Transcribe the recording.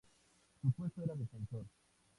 Su puesto era defensor.